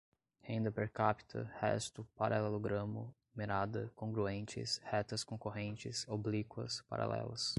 renda per capta, resto, paralelogramo, numerada, congruentes, retas concorrentes, oblíquas, paralelas